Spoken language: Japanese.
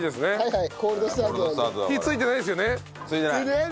はい。